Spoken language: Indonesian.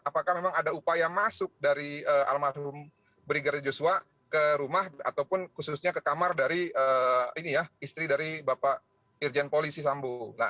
apakah memang ada upaya masuk dari almarhum brigadir joshua ke rumah ataupun khususnya ke kamar dari istri dari bapak irjen polisi sambo